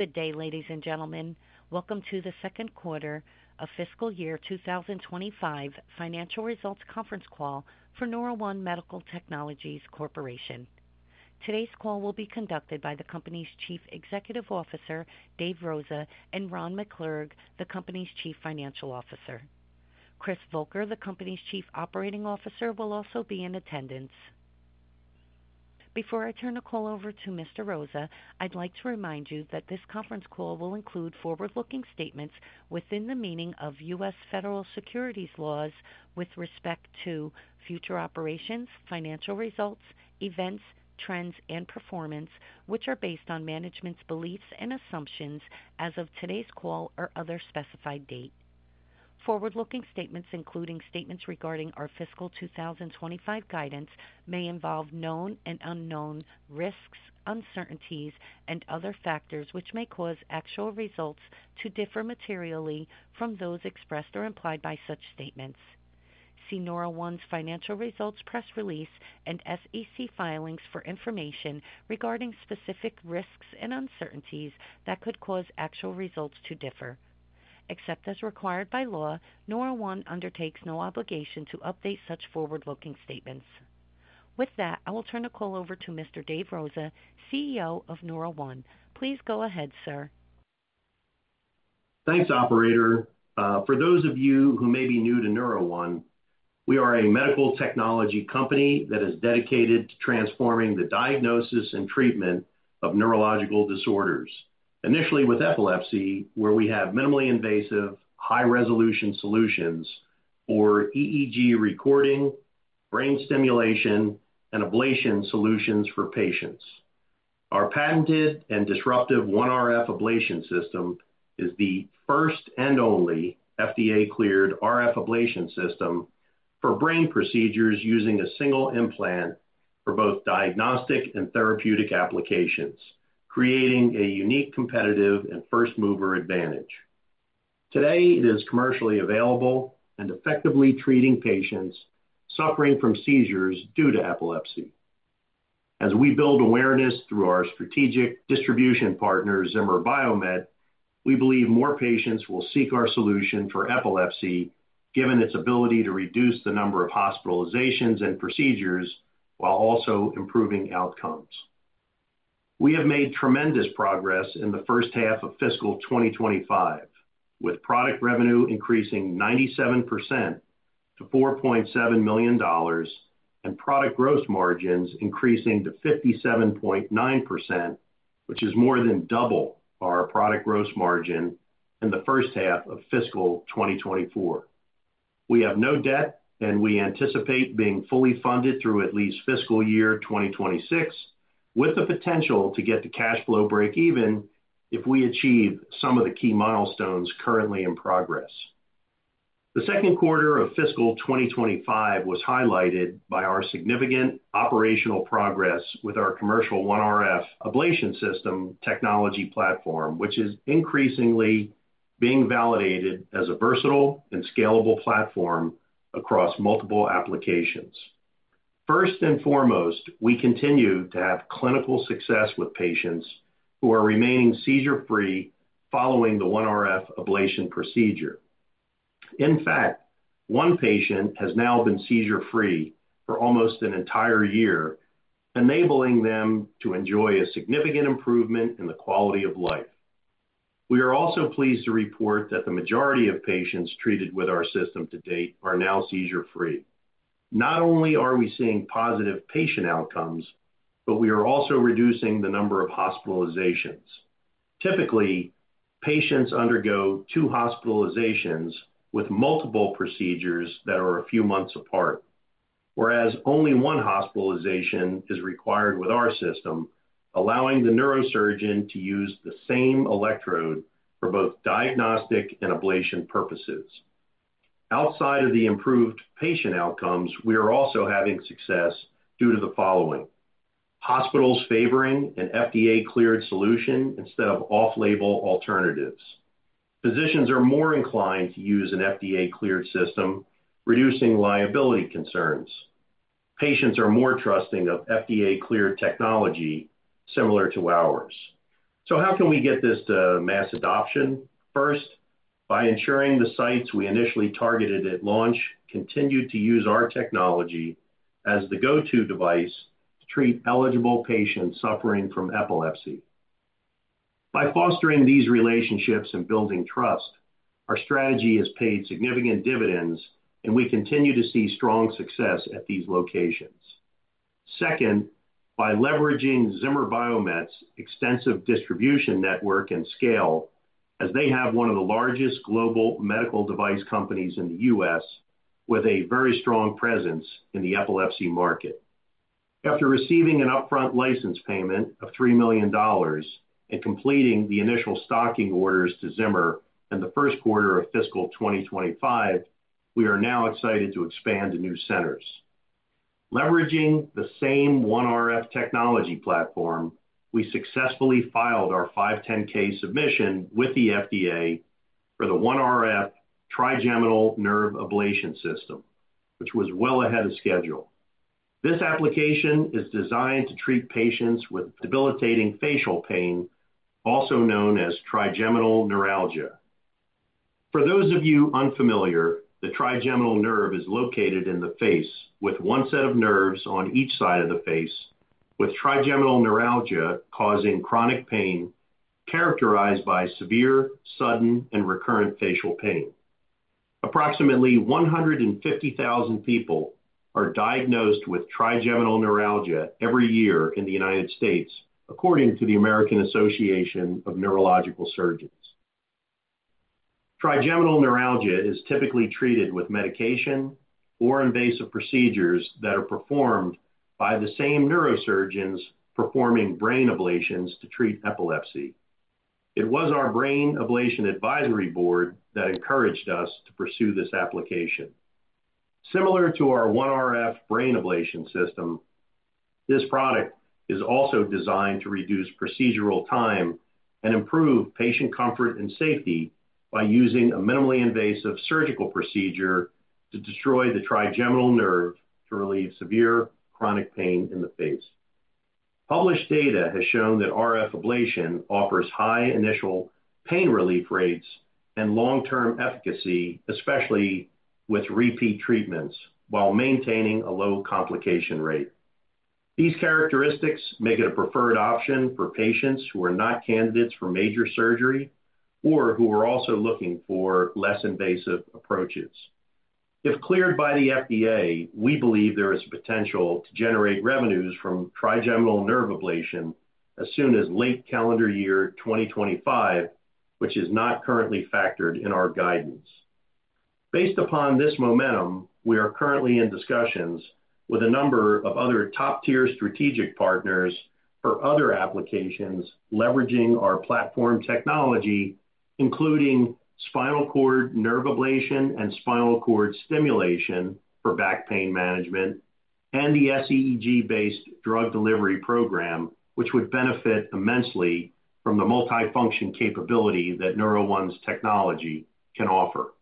Good day, ladies and gentlemen. Welcome to the 2nd quarter of Fiscal Year 2025 Financial Results Conference Call for NeuroOne Medical Technologies Corporation. Today's call will be conducted by the company's Chief Executive Officer, Dave Rosa, and Ron McClurg, the company's Chief Financial Officer. Chris Volker, the company's Chief Operating Officer, will also be in attendance. Before I turn the call over to Mr. Rosa, I'd like to remind you that this conference call will include forward-looking statements within the meaning of U.S. Federal Securities laws with respect to future operations, financial results, events, trends, and performance, which are based on management's beliefs and assumptions as of today's call or other specified date. Forward-looking statements, including statements regarding our Fiscal 2025 guidance, may involve known and unknown risks, uncertainties, and other factors which may cause actual results to differ materially from those expressed or implied by such statements. See NeuroOne's financial results press release and SEC filings for information regarding specific risks and uncertainties that could cause actual results to differ. Except as required by law, NeuroOne undertakes no obligation to update such forward-looking statements. With that, I will turn the call over to Mr. Dave Rosa, CEO of NeuroOne. Please go ahead, sir. Thanks, Operator. For those of you who may be new to NeuroOne, we are a medical technology company that is dedicated to transforming the diagnosis and treatment of neurological disorders. Initially with epilepsy, where we have minimally invasive, high-resolution solutions for EEG recording, brain stimulation, and ablation solutions for patients. Our patented and disruptive OneRF Ablation System is the first and only FDA-cleared RF ablation system for brain procedures using a single implant for both diagnostic and therapeutic applications, creating a unique competitive and first-mover advantage. Today, it is commercially available and effectively treating patients suffering from seizures due to epilepsy. As we build awareness through our strategic distribution partner, Zimmer Biomet, we believe more patients will seek our solution for epilepsy, given its ability to reduce the number of hospitalizations and procedures while also improving outcomes. We have made tremendous progress in the first half of Fiscal 2025, with product revenue increasing 97% to $4.7 million and product gross margins increasing to 57.9%, which is more than double our product gross margin in the first half of Fiscal 2024. We have no debt, and we anticipate being fully funded through at least Fiscal Year 2026, with the potential to get the cash flow break-even if we achieve some of the key milestones currently in progress. The 2nd Quarter of Fiscal 2025 was highlighted by our significant operational progress with our commercial OneRF Ablation System Technology Platform, which is increasingly being validated as a versatile and scalable platform across multiple applications. First and foremost, we continue to have clinical success with patients who are remaining seizure-free following the OneRF Ablation procedure. In fact, one patient has now been seizure-free for almost an entire year, enabling them to enjoy a significant improvement in the quality of life. We are also pleased to report that the majority of patients treated with our system to date are now seizure-free. Not only are we seeing positive patient outcomes, but we are also reducing the number of hospitalizations. Typically, patients undergo two hospitalizations with multiple procedures that are a few months apart, whereas only one hospitalization is required with our system, allowing the neurosurgeon to use the same electrode for both diagnostic and ablation purposes. Outside of the improved patient outcomes, we are also having success due to the following: hospitals favoring an FDA-cleared solution instead of off-label alternatives. Physicians are more inclined to use an FDA-cleared system, reducing liability concerns. Patients are more trusting of FDA-cleared technology similar to ours. How can we get this to mass adoption? First, by ensuring the sites we initially targeted at launch continue to use our technology as the go-to device to treat eligible patients suffering from epilepsy. By fostering these relationships and building trust, our strategy has paid significant dividends, and we continue to see strong success at these locations. Second, by leveraging Zimmer Biomet's extensive distribution network and scale, as they have one of the largest global medical device companies in the U.S., with a very strong presence in the epilepsy market. After receiving an upfront license payment of $3 million and completing the initial stocking orders to Zimmer in the 1st Quarter of Fiscal 2025, we are now excited to expand to new centers. Leveraging the same OneRF Technology Platform, we successfully filed our 510(k) submission with the FDA for the OneRF Trigeminal Nerve Ablation System, which was well ahead of schedule. This application is designed to treat patients with debilitating facial pain, also known as trigeminal neuralgia. For those of you unfamiliar, the trigeminal nerve is located in the face, with one set of nerves on each side of the face, with trigeminal neuralgia causing chronic pain characterized by severe, sudden, and recurrent facial pain. Approximately 150,000 people are diagnosed with trigeminal neuralgia every year in the United States, according to the American Association of Neurological Surgeons. Trigeminal neuralgia is typically treated with medication or invasive procedures that are performed by the same neurosurgeons performing brain ablations to treat epilepsy. It was our Brain Ablation Advisory Board that encouraged us to pursue this application. Similar to our OneRF Ablation System, this product is also designed to reduce procedural time and improve patient comfort and safety by using a minimally invasive surgical procedure to destroy the trigeminal nerve to relieve severe chronic pain in the face. Published data has shown that RF ablation offers high initial pain relief rates and long-term efficacy, especially with repeat treatments, while maintaining a low complication rate. These characteristics make it a preferred option for patients who are not candidates for major surgery or who are also looking for less invasive approaches. If cleared by the FDA, we believe there is a potential to generate revenues from trigeminal nerve ablation as soon as late calendar year 2025, which is not currently factored in our guidance. Based upon this momentum, we are currently in discussions with a number of other top-tier strategic partners for other applications leveraging our platform technology, including spinal cord nerve ablation and spinal cord stimulation for back pain management, and the sEEG-based drug delivery program, which would benefit immensely from the multifunction capability that NeuroOne's technology can offer.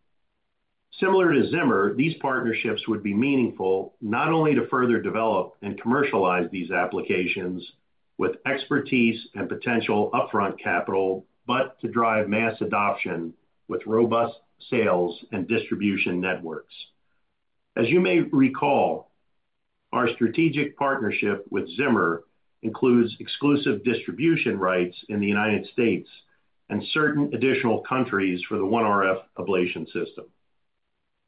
Similar to Zimmer, these partnerships would be meaningful not only to further develop and commercialize these applications with expertise and potential upfront capital, but to drive mass adoption with robust sales and distribution networks. As you may recall, our strategic partnership with Zimmer includes exclusive distribution rights in the United States and certain additional countries for the OneRF Ablation System.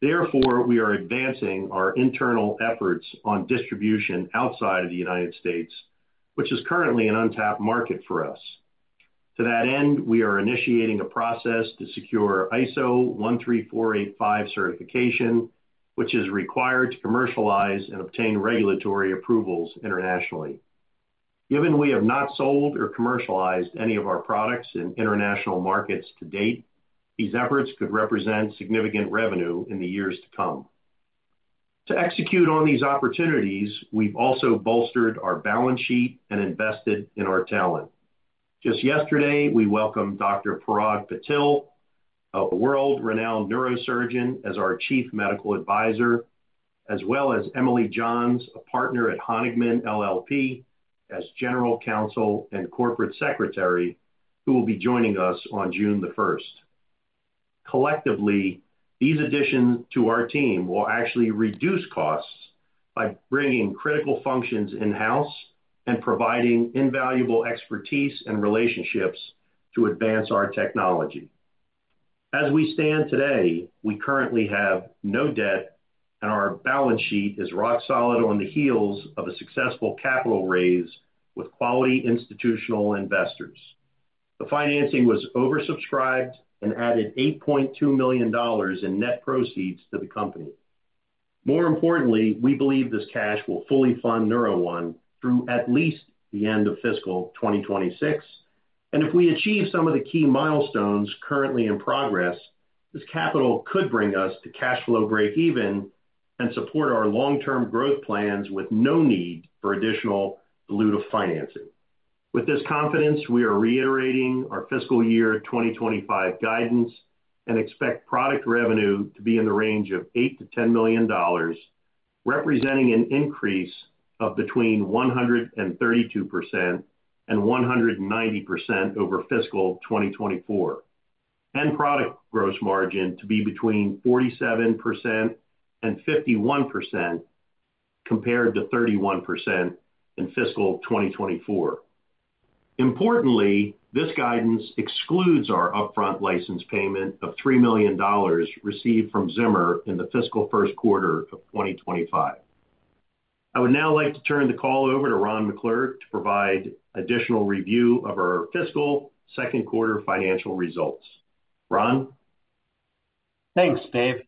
Therefore, we are advancing our internal efforts on distribution outside of the United States, which is currently an untapped market for us. To that end, we are initiating a process to secure ISO 13485 certification, which is required to commercialize and obtain regulatory approvals internationally. Given we have not sold or commercialized any of our products in international markets to date, these efforts could represent significant revenue in the years to come. To execute on these opportunities, we've also bolstered our balance sheet and invested in our talent. Just yesterday, we welcomed Dr. Parag Patil, a world-renowned neurosurgeon, as our Chief Medical Advisor, as well as Emily Johns, a partner at Honigman LLP, as General Counsel and Corporate Secretary, who will be joining us on June the 1st. Collectively, these additions to our team will actually reduce costs by bringing critical functions in-house and providing invaluable expertise and relationships to advance our technology. As we stand today, we currently have no debt, and our balance sheet is rock solid on the heels of a successful capital raise with quality institutional investors. The financing was oversubscribed and added $8.2 million in net proceeds to the company. More importantly, we believe this cash will fully fund NeuroOne through at least the end of Fiscal 2026. If we achieve some of the key milestones currently in progress, this capital could bring us to cash flow break-even and support our long-term growth plans with no need for additional diluted financing. With this confidence, we are reiterating our Fiscal Year 2025 guidance and expect product revenue to be in the range of $8-$10 million, representing an increase of between 132% and 190% over Fiscal 2024, and product gross margin to be between 47%-51% compared to 31% in Fiscal 2024. Importantly, this guidance excludes our upfront license payment of $3 million received from Zimmer in the Fiscal 1st Quarter of 2025. I would now like to turn the call over to Ron McClurg to provide additional review of our Fiscal 2nd quarter financial results. Ron? Thanks, Dave.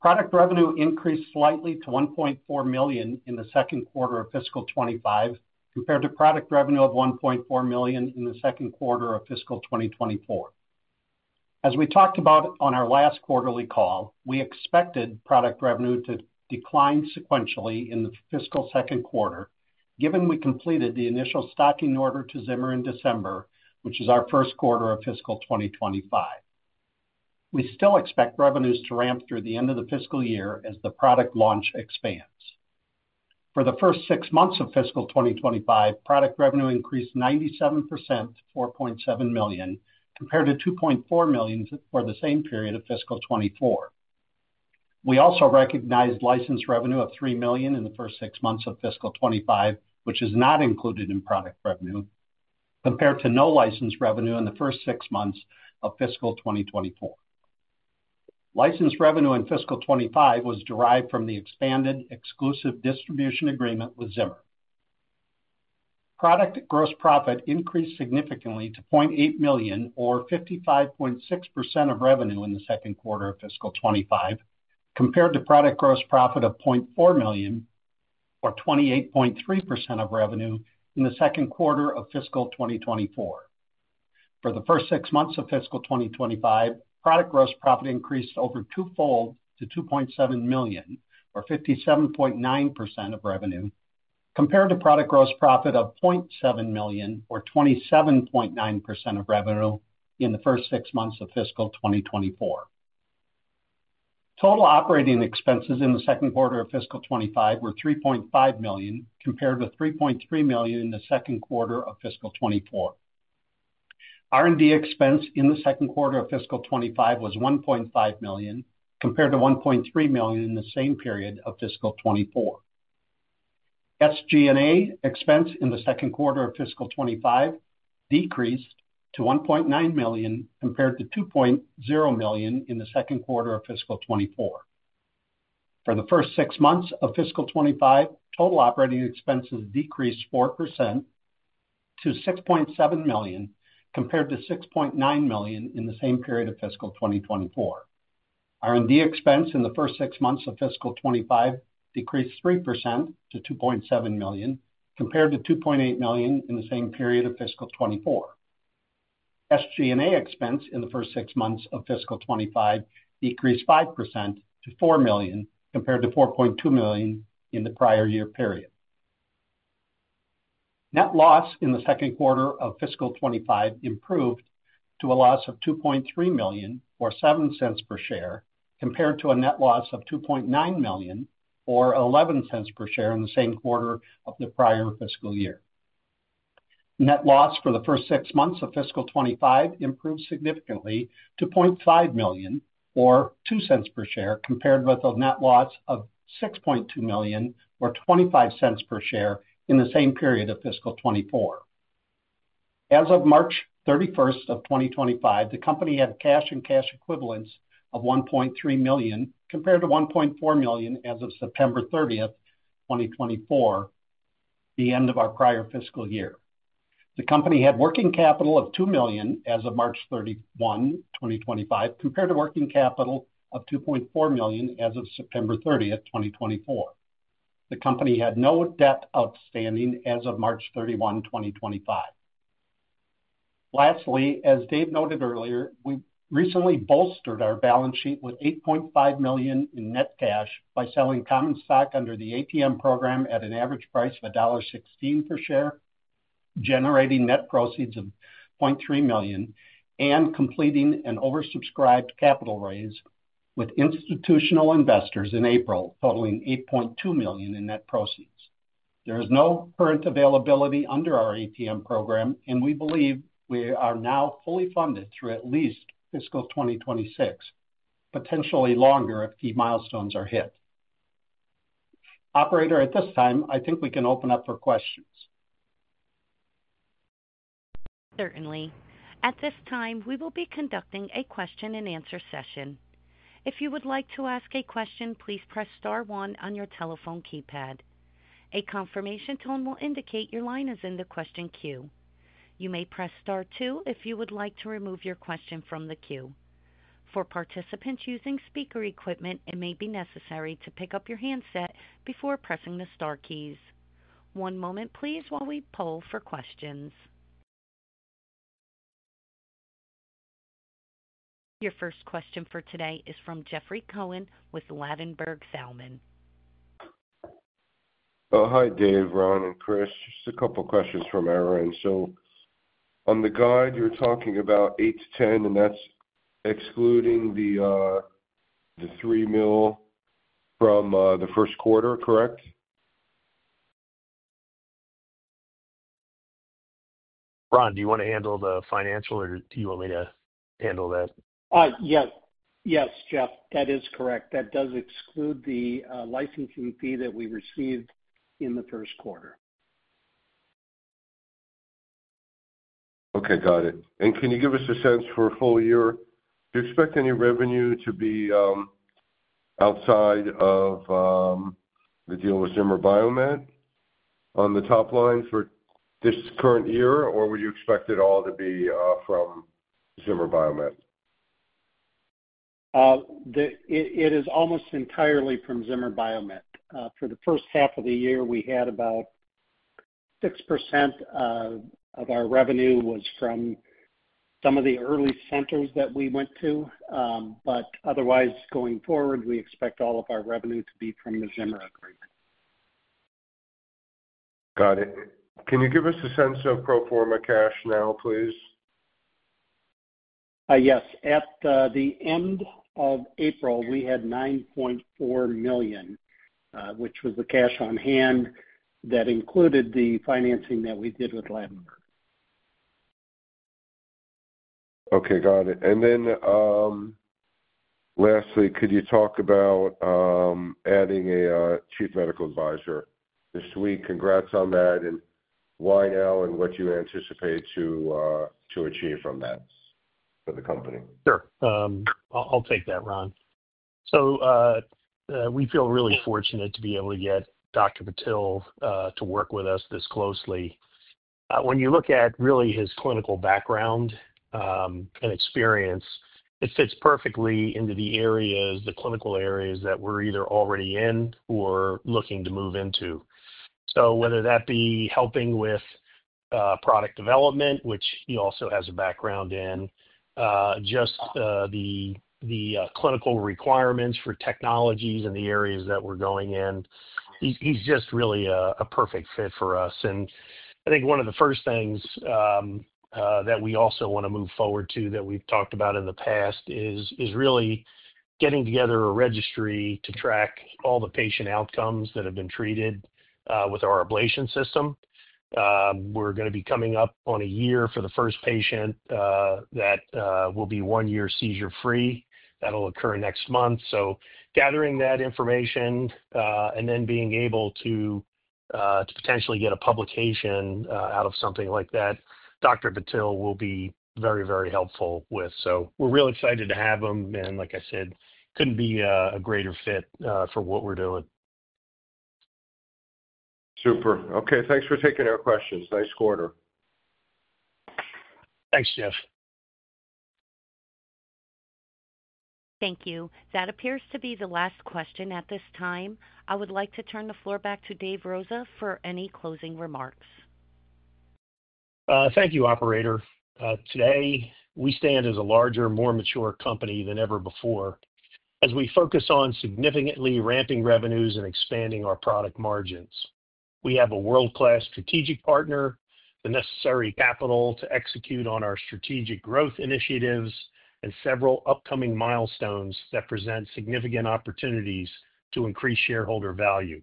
Product revenue increased slightly to $1.4 million in the 2nd Quarter of Fiscal 2025 compared to product revenue of $1.4 million in the 2nd Quarter of Fiscal 2024. As we talked about on our last quarterly call, we expected product revenue to decline sequentially in the Fiscal 2nd quarter, given we completed the initial stocking order to Zimmer in December, which is our 1st Quarter of Fiscal 2025. We still expect revenues to ramp through the end of the Fiscal Year as the product launch expands. For the first six months of Fiscal 2025, product revenue increased 97% to $4.7 million compared to $2.4 million for the same period of Fiscal 2024. We also recognized license revenue of $3 million in the first six months of Fiscal 2025, which is not included in product revenue, compared to no license revenue in the first six months of Fiscal 2024. License revenue in Fiscal 2025 was derived from the expanded exclusive distribution agreement with Zimmer. Product gross profit increased significantly to $0.8 million, or 55.6% of revenue in the 2nd Quarter of Fiscal 2025, compared to product gross profit of $0.4 million, or 28.3% of revenue in the 2nd Quarter of Fiscal 2024. For the first six months of Fiscal 2025, product gross profit increased over twofold to $2.7 million, or 57.9% of revenue, compared to product gross profit of $0.7 million, or 27.9% of revenue in the first six months of Fiscal 2024. Total operating expenses in the 2nd Quarter of Fiscal 2025 were $3.5 million, compared to $3.3 million in the 2nd Quarter of Fiscal 2024. R&D expense in the 2nd Quarter of Fiscal 2025 was $1.5 million, compared to $1.3 million in the same period of Fiscal 2024. SG&A expense in the 2nd Quarter of Fiscal 2025 decreased to $1.9 million, compared to $2.0 million in the 2nd Quarter of Fiscal 2024. For the first six months of Fiscal 2025, total operating expenses decreased 4% to $6.7 million, compared to $6.9 million in the same period of Fiscal 2024. R&D expense in the first six months of Fiscal 2025 decreased 3% to $2.7 million, compared to $2.8 million in the same period of Fiscal 2024. SG&A expense in the first six months of Fiscal 2025 decreased 5% to $4 million, compared to $4.2 million in the prior year period. Net loss in the 2nd Quarter of Fiscal 2025 improved to a loss of $2.3 million, or $0.07 per share, compared to a net loss of $2.9 million, or $0.11 per share in the same quarter of the prior Fiscal Year. Net loss for the first six months of Fiscal 2025 improved significantly to $0.5 million, or $0.02 per share, compared with a net loss of $6.2 million, or $0.25 per share in the same period of Fiscal 2024. As of March 31, 2025, the company had cash and cash equivalents of $1.3 million, compared to $1.4 million as of September 30, 2024, the end of our prior Fiscal Year. The company had working capital of $2 million as of March 31, 2025, compared to working capital of $2.4 million as of September 30th, 2024. The company had no debt outstanding as of March 31, 2025. Lastly, as Dave noted earlier, we recently bolstered our balance sheet with $8.5 million in net cash by selling common stock under the ATM Program at an average price of $1.16 per share, generating net proceeds of $0.3 million, and completing an oversubscribed capital raise with institutional investors in April, totaling $8.2 million in net proceeds. There is no current availability under our ATM Program, and we believe we are now fully funded through at least Fiscal 2026, potentially longer if key milestones are hit. Operator, at this time, I think we can open up for questions. Certainly. At this time, we will be conducting a question-and-answer session. If you would like to ask a question, please press star one on your telephone keypad. A confirmation tone will indicate your line is in the question queue. You may press star two if you would like to remove your question from the queue. For participants using speaker equipment, it may be necessary to pick up your handset before pressing the star keys. One moment, please, while we poll for questions. Your first question for today is from Jeffrey Cohen with Ladenburg Thalmann. Hi, Dave, Ron, and Chris. Just a couple of questions from Erin. On the guide, you're talking about $8-$10 million, and that's excluding the $3 million from the 1st Quarter, correct? Ron, do you want to handle the financial, or do you want me to handle that? Yes. Yes, Jeff, that is correct. That does exclude the licensing fee that we received in the 1st Quarter. Okay. Got it. Can you give us a sense for a full year? Do you expect any revenue to be outside of the deal with Zimmer Biomet on the top line for this current year, or would you expect it all to be from Zimmer Biomet? It is almost entirely from Zimmer Biomet. For the first half of the year, we had about 6% of our revenue was from some of the early centers that we went to. Otherwise, going forward, we expect all of our revenue to be from the Zimmer agreement. Got it. Can you give us a sense of pro forma cash now, please? Yes. At the end of April, we had $9.4 million, which was the cash on hand that included the financing that we did with Ladenburg. Okay. Got it. Lastly, could you talk about adding a Chief Medical Advisor this week? Congrats on that. Why now and what do you anticipate to achieve from that for the company? Sure. I'll take that, Ron. We feel really fortunate to be able to get Dr. Patil to work with us this closely. When you look at really his clinical background and experience, it fits perfectly into the areas, the clinical areas that we're either already in or looking to move into. Whether that be helping with product development, which he also has a background in, just the clinical requirements for technologies and the areas that we're going in, he's just really a perfect fit for us. I think one of the first things that we also want to move forward to that we've talked about in the past is really getting together a registry to track all the patient outcomes that have been treated with our ablation system. We're going to be coming up on a year for the first patient that will be one year seizure-free. That'll occur next month. Gathering that information and then being able to potentially get a publication out of something like that, Dr. Patil will be very, very helpful with. We're real excited to have him. Like I said, couldn't be a greater fit for what we're doing. Super. Okay. Thanks for taking our questions. Nice quarter. Thanks, Jeff. Thank you. That appears to be the last question at this time. I would like to turn the floor back to Dave Rosa for any closing remarks. Thank you, Operator. Today, we stand as a larger, more mature company than ever before as we focus on significantly ramping revenues and expanding our product margins. We have a world-class strategic partner, the necessary capital to execute on our strategic growth initiatives, and several upcoming milestones that present significant opportunities to increase shareholder value.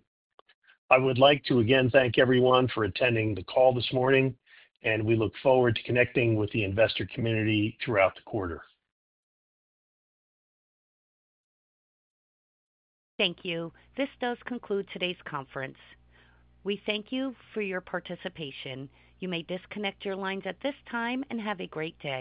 I would like to again thank everyone for attending the call this morning, and we look forward to connecting with the investor community throughout the quarter. Thank you. This does conclude today's conference. We thank you for your participation. You may disconnect your lines at this time and have a great day.